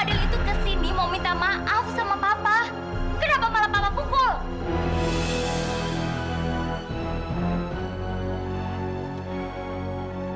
fadil itu kesini mau minta maaf sama papa